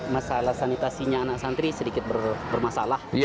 masalah sanitasinya anak santri sedikit bermasalah